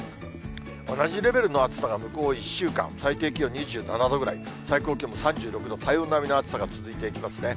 同じレベルの暑さが向こう１週間、最低気温２７度ぐらい、最高気温も３６度、体温並みの暑さが続いていきますね。